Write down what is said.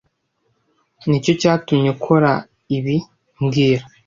Nicyo cyatumye ukora ibi mbwira